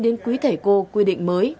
đến quý thể cô quy định mới